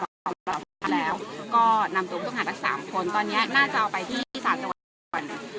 ต้องรับรับแล้วก็นำตัวต้องหาละสามคนตอนเนี้ยน่าจะเอาไปที่สาตว์จังหวัด